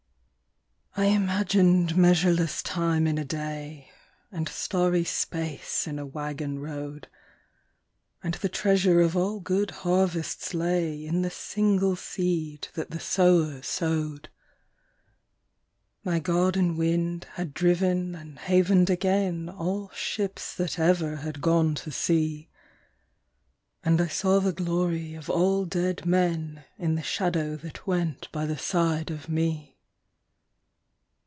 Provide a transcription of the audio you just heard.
I imagined measureless time in a day, And starry space in a waggon road, And the treasure of all good harvests lay In the single seed that the sower sowed. My garden wind had driven and havened again All ships that ever had gone to sea, And I saw the glory of all dead men In the shadow that went by the side of me.